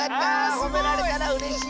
ほめられたらうれしい！